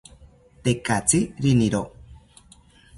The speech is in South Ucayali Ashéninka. Tekatzi riniro